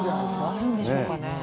あるんでしょうかね。